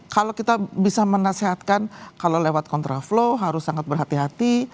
kalau kita bisa menasehatkan kalau lewat kontraflow harus sangat berhati hati